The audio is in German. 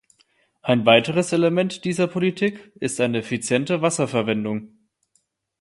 Ein weiteres Element dieser Politik ist die effiziente Wasserverwendung.